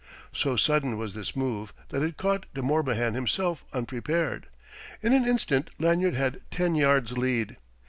So sudden was this move that it caught De Morbihan himself unprepared. In an instant Lanyard had ten yards' lead.